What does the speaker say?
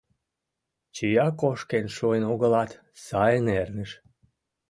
Чия кошкен шуын огылат, сайын эрныш.